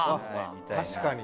確かに。